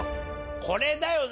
これだよな。